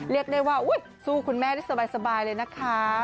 เรียกได้ว่าสู้คุณแม่ได้สบายเลยนะคะ